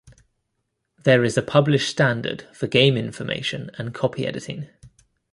There is a published standard for game information and copyediting.